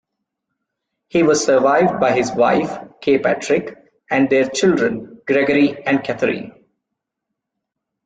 He was survived by his wife Kay Patrick and their children, Gregory and Catherine.